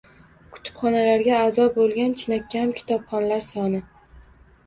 kutubxonalarga a’zo bo‘lgan chinakam kitobxonlar soni